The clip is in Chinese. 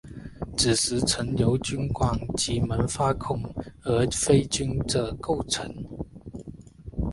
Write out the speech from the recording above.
子实层体由菌管及萌发孔而非菌褶构成。